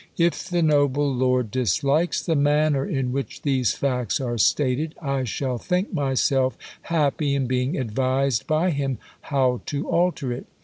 If the noble lord dislikes the manner ii which these facts are stated, I shall think myself hai^:)y in being advised hy him how to alter it.